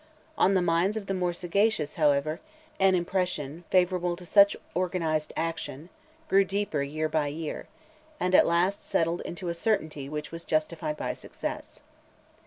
On the minds of the more sagacious, however, an impression, favourable to such organized action, grew deeper year by year, and at last settled into a certainty which was justified by success.